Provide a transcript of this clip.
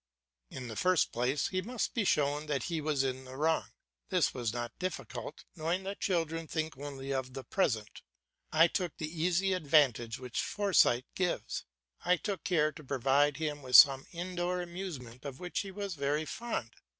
In the first place, he must be shown that he was in the wrong. This was not difficult; knowing that children think only of the present, I took the easy advantage which foresight gives; I took care to provide him with some indoor amusement of which he was very fond.